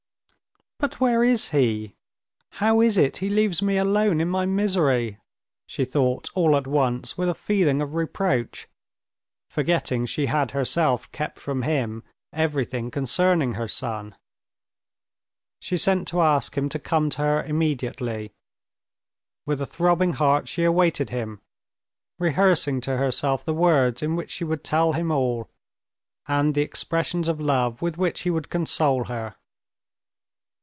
"But where is he? How is it he leaves me alone in my misery?" she thought all at once with a feeling of reproach, forgetting she had herself kept from him everything concerning her son. She sent to ask him to come to her immediately; with a throbbing heart she awaited him, rehearsing to herself the words in which she would tell him all, and the expressions of love with which he would console her.